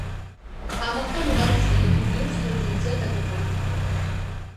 ამათგან უკანასკნელი ბიბლიურ სიუჟეტზეა აგებული.